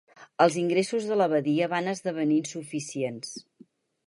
Els ingressos de l'abadia van esdevenir insuficients.